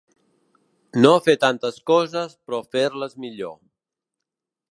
No fer tantes coses però fer-les millor.